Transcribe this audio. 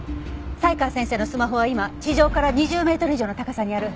才川先生のスマホは今地上から２０メートル以上の高さにある。